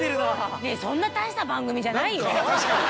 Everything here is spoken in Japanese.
ねぇそんな大した番組じゃないよ？